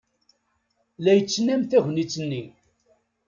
La yettnam tagnit-nni.